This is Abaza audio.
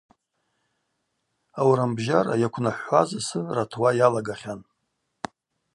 Аурамбжьара йаквнахӏвхӏваз асы ратуа йалагахьан.